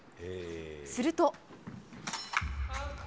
すると。